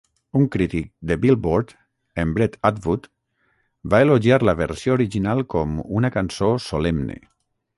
Un crític de "Billboard", en Brett Atwood, va elogiar la versió original com una "cançó solemne".